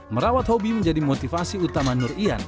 merawat hobi menjadi motivasi utama nur ian